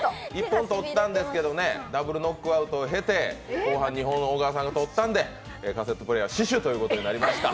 １本取ったんですけど、ダブルノックアウト経て後半２本を小川さんがとったのでカセットプレーヤーは死守ということになりました。